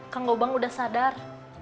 kang gobang udah sadar